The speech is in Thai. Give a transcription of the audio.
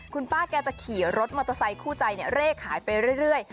คุณป้าแกจะขี่รถมอเตอร์ไซคู่ใจเร่ขายไปเรื่อย